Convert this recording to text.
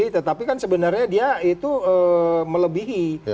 tetapi kan sebenarnya dia itu melebihi